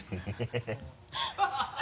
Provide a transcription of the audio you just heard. ハハハ